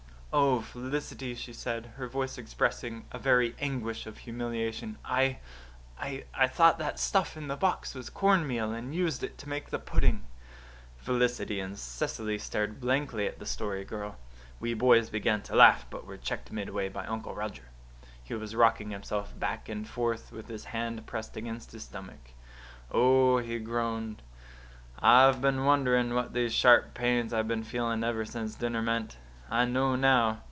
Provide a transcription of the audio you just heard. "Oh, Felicity," she said, her voice expressing a very anguish of humiliation, "I I thought that stuff in the box was cornmeal and used it to make the pudding." Felicity and Cecily stared blankly at the Story Girl. We boys began to laugh, but were checked midway by Uncle Roger. He was rocking himself back and forth, with his hand pressed against his stomach. "Oh," he groaned, "I've been wondering what these sharp pains I've been feeling ever since dinner meant. I know now.